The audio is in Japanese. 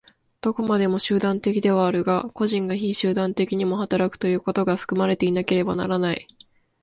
どこまでも集団的ではあるが、個人が非集団的にも働くということが含まれていなければならない。